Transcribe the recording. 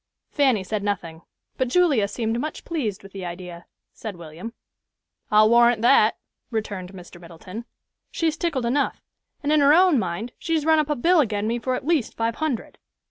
"Fanny said nothing, but Julia seemed much pleased with the idea," said William. "I'll warrant that," returned Mr. Middleton. "She's tickled enough, and in her own mind she's run up a bill agin me for at least five hundred.